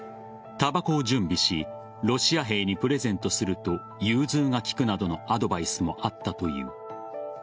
たばこを準備しロシア兵にプレゼントすると融通が利くなどのアドバイスもあったという。